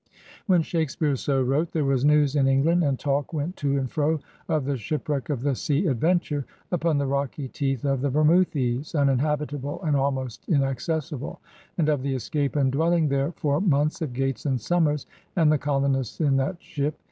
When Shakespeare so wrote, there was news in England and talk went to and fro of the shipwreck of the Sea Adventure upon the rocky teeth of the Bermoothes, "uninhabitable and almost inacces sible, " and of the escape and dwelling there for months of Gates and Somers and the colonists in that ship.